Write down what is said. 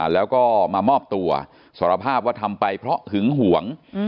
แล้วก็มามอบตัวสารภาพว่าทำไปเพราะหึงหวง